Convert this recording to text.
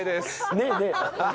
「ねえねえ」